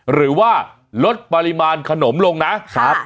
หรือว่าลดปริมาณขนมลงนะครับ